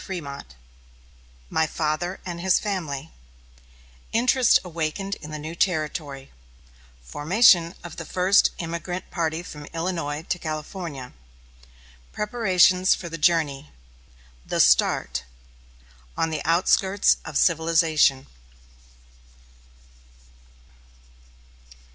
FRÉMONT MY FATHER AND HIS FAMILY INTEREST AWAKENED IN THE NEW TERRITORY FORMATION OF THE FIRST EMIGRANT PARTY FROM ILLINOIS TO CALIFORNIA PREPARATIONS FOR THE JOURNEY THE START ON THE OUTSKIRTS OF CIVILIZATION.